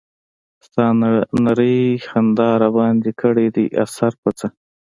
ستا نرۍ خندا راباندې کړے دے اثر پۀ څۀ